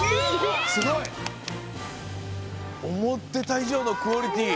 すごい！おもってたいじょうのクオリティー。